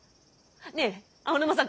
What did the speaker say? ねぇ青沼さん